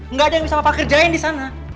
nggak ada yang bisa bapak kerjain di sana